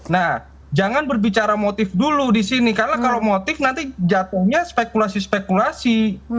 nah jangan berbicara motif dulu di sini karena kalau motif nanti jatuhnya spekulasi spekulasi